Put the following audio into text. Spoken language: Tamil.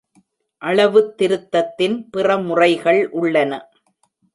அளவுத்திருத்தத்தின் பிற முறைகள் உள்ளன.